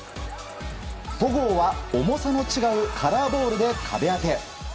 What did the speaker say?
戸郷は重さの違うカラーボールで壁当て。